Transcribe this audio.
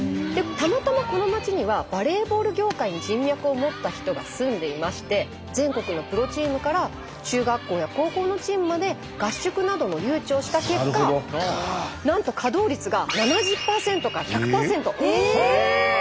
たまたまこの町にはバレーボール業界に人脈を持った人が住んでいまして全国のプロチームから中学校や高校のチームまで合宿などの誘致をした結果なんとええっ。